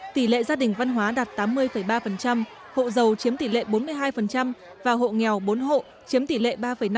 tỷ lệ gia đình văn hóa đạt tám mươi ba hộ giàu chiếm tỷ lệ bốn mươi hai và hộ nghèo bốn hộ chiếm tỷ lệ ba năm